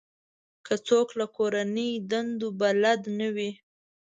که څوک له کورنۍ دندو بلد نه وي.